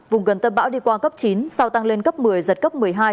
vùng gần tâm bão đi qua cấp chín sau tăng lên cấp một mươi giật cấp một mươi hai